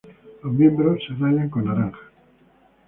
Los miembros son rayados con naranja.